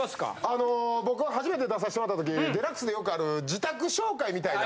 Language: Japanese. あの僕が初めて出させてもらった時『ＤＸ』でよくある自宅紹介みたいな。